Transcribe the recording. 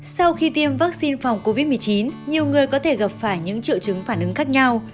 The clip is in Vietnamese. sau khi tiêm vaccine phòng covid một mươi chín nhiều người có thể gặp phải những triệu chứng phản ứng khác nhau